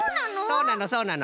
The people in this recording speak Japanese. そうなのそうなの。